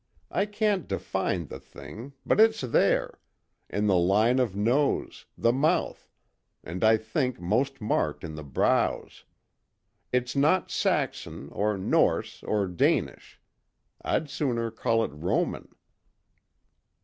I can't define the thing, but it's there in the line of nose, the mouth, and I think most marked in the brows. It's not Saxon, or Norse, or Danish. I'd sooner call it Roman."